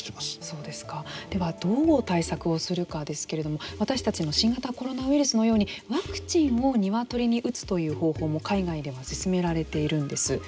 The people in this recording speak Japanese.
では、どう対策をするかですけれども、私たちの新型コロナウイルスのようにワクチンをニワトリに打つという方法も海外では進められているんです。